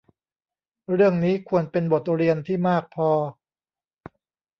เรื่องนี้ควรเป็นบทเรียนที่มากพอ